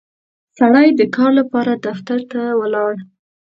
سړی د کار لپاره دفتر ته ولاړ